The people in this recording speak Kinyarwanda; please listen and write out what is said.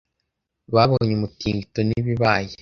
babonye umutingito n ibibaye